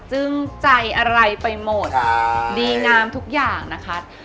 จึงใจอะไรไปหมดดีงามทุกอย่างนะคะ